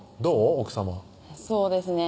奥さまそうですね